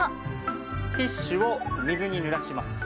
ティッシュを水に濡らします。